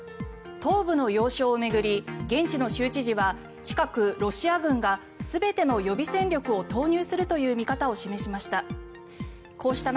東部の要衝を巡り現地の州知事は近く、ロシア軍が全ての予備戦力を投入するという見方を示しました。